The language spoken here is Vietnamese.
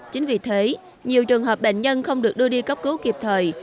chính vì thế nhiều trường hợp bệnh nhân không được đưa đi cấp cứu kịp thời